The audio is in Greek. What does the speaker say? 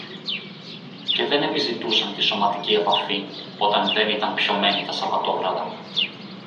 και δεν επιζητούσαν τη σωματική επαφή όταν δεν ήταν πιωμένοι τα Σαββατόβραδα